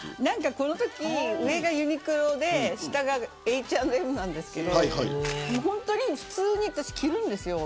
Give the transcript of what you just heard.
このとき上がユニクロで下がＨ＆Ｍなんですけど本当に、普通に着るんですよ。